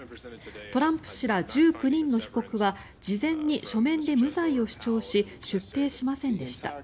トランプ氏ら１９人の被告は事前に書面で無罪を主張し出廷しませんでした。